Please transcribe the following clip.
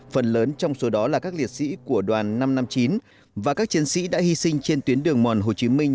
phần lớn trong số đó là các liệt sĩ của đoàn năm trăm năm mươi chín và các chiến sĩ đã hy sinh trên tuyến đường mòn hồ chí minh